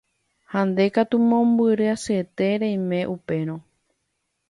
Ha nde katu mombyry asyetéma reime upérõ.